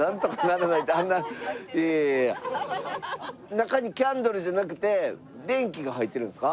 中にキャンドルじゃなくて電気が入ってるんですか？